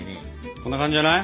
こんな感じじゃない？